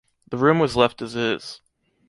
The room was left as is.